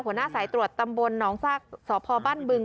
หัวหน้าสายตรวจตำบลหนองซากสพบ้านบึง